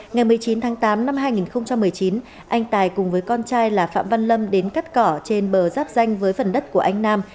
ngày một mươi chín tháng tám năm hai nghìn một mươi chín anh tài cùng với con trai là phạm văn lâm đến cắt cỏ trên bờ giáp danh với phần đất của anh nam